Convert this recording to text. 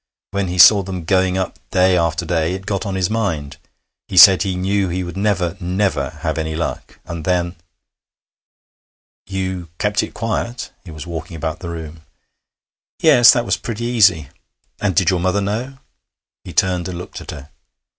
When he saw them going up day after day, it got on his mind. He said he knew he would never, never have any luck. And then ...' 'You kept it quiet.' He was walking about the room. 'Yes, that was pretty easy.' 'And did your mother know?' He turned and looked at her.